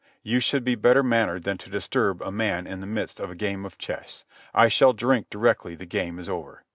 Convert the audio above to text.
"You should be better mannered than to disturb a man in the midst of a game of chess. I shall drink directly the game is over."